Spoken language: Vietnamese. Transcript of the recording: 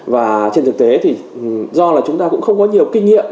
và trên thực tế thì do là chúng ta cũng không có nhiều kinh nghiệm